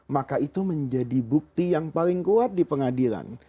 maka itu menjadi bukti yang paling kuat di pengadilan